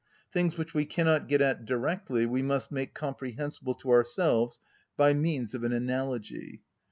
Things which we cannot get at directly we must make comprehensible to ourselves by means of an analogy.